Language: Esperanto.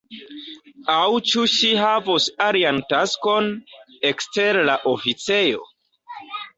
Aŭ ĉu ŝi havos alian taskon, ekster la oficejo?